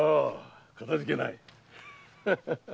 〔かたじけない〕